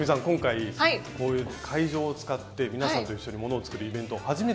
今回こういう会場を使って皆さんと一緒にものを作るイベント